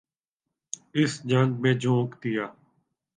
اس جنگ میں جھونک دیا۔